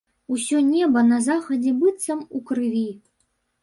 Усё неба на захадзе быццам у крыві.